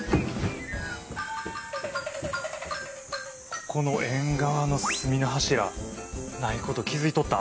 この縁側の隅の柱ないこと気付いとった？